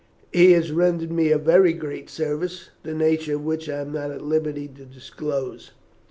He has rendered me a very great service, the nature of which I am not at liberty to disclose.